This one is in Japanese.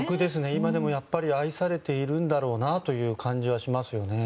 今でも愛されているんだろうなという感じがしますよね。